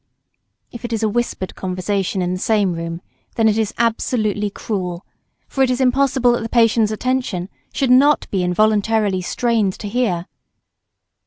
If it is a whispered conversation in the same room, then it is absolutely cruel; for it is impossible that the patient's attention should not be involuntarily strained to hear.